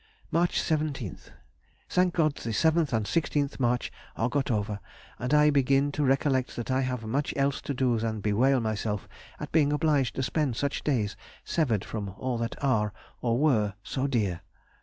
March 17th.—Thank God the 7th and 16th March are got over, and I begin to recollect that I have much else to do than bewail myself at being obliged to spend such days severed from all that are, or were, so dear!...